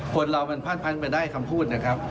คนเรามันพลาดพันไปได้คำพูดนะครับ